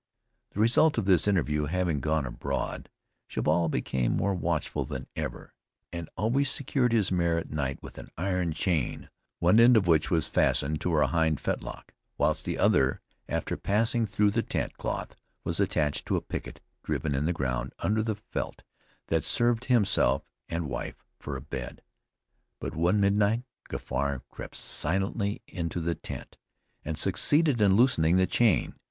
The result of this interview having gone abroad; Jabal became more watchful than ever, and always secured his mare at night with an iron chain, one end of which was fastened to her hind fetlock, whilst the other, after passing through the tent cloth, was attached to a picket driven in the ground under the felt that served himself and wife for a bed. But one midnight, Gafar crept silently into the tent, and succeeded in loosening the chain.